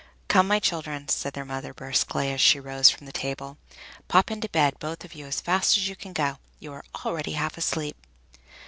"Come, my children," said their mother briskly, as she rose from the table, "pop into bed, both of you, as fast as you can go. You are already half asleep!